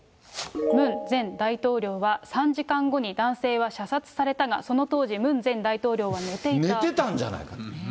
ムン前大統領は、３時間後に男性は射殺されたが、その当時、寝てたんじゃないかと。